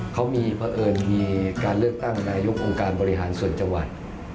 เขามีเพราะเอิญมีการเลือกตั้งนายกองค์การบริหารส่วนจังหวัด